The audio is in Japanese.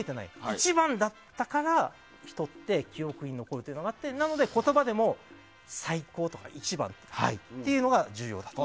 一番だったから人って記憶に残るというのがあってなので言葉でも最高とか一番とかっていうのが重要だと。